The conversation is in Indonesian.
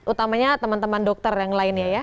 utamanya teman teman dokter yang lainnya ya